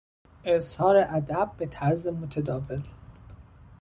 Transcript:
اظهار ادب به طرز متداول